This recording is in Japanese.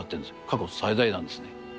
過去最大なんですね。